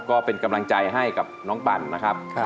ก็เป็นกำลังใจให้กับน้องปั่นนะครับ